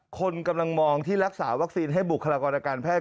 คนกำลังมองที่รักษาวัคซีนให้บุคลากรอาการแพทย